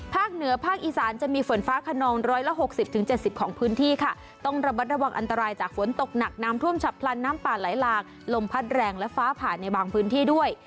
เหนือภาคอีสานจะมีฝนฟ้าขนองร้อยละ๖๐๗๐ของพื้นที่ค่ะต้องระมัดระวังอันตรายจากฝนตกหนักน้ำท่วมฉับพลันน้ำป่าไหลหลากลมพัดแรงและฟ้าผ่านในบางพื้นที่ด้วย